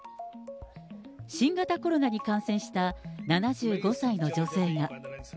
新型コロナに感染した７５歳の女性が。